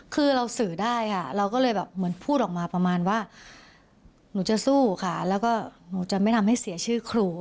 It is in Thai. คือเราสื่อได้ค่ะเราก็เลยแบบเหมือนพูดออกมาประมาณว่าหนูจะสู้ค่ะแล้วก็หนูจะไม่ทำให้เสียชื่อครู